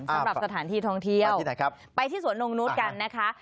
สำหรับสถานที่ท้องเที่ยวไปที่สวนงค์นุษย์กันนะคะเป็นที่ไหนครับ